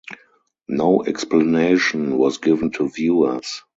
No explanation was given to viewers.